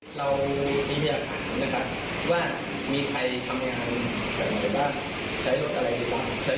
หรือเป็นคนที่มีคนอยู่ที่นี่มั้ยครับ